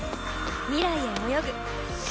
未来へ泳ぐ。